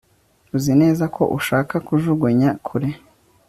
uzi neza ko ushaka kujugunya kure